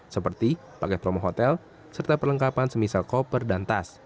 seperti paket promo hotel serta perlengkapan semisal koper dan tas